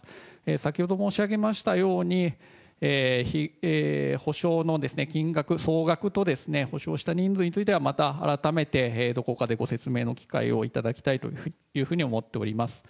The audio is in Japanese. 先ほど申し上げましたように、補償の金額、総額とですね、補償した人数については、また改めてどこかでご説明の機会をいただきたいというふうに思っております。